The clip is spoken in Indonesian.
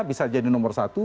bisa jadi nomor satu